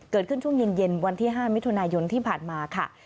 เกิดขึ้นช่วงเย็นวันที่๕มิถุนายนที่ผ่านมาค่ะ